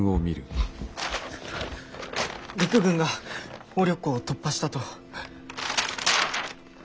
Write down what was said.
陸軍が鴨緑江を突破したと。